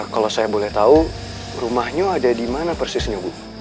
kalau saya boleh tahu rumahnya ada di mana persisnya bu